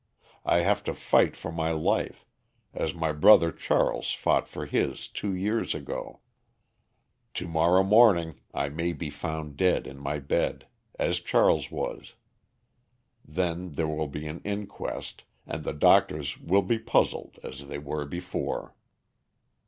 I have to fight for my life, as my brother Charles fought for his two years ago. To morrow morning I may be found dead in my bed as Charles was. Then there will be an inquest, and the doctors will be puzzled, as they were before."